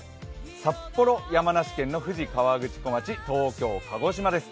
札幌、山梨県の富士河口湖町、東京、鹿児島です。